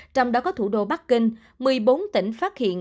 trong đó có thủ đô bắc kinh một mươi bốn tỉnh phát hiện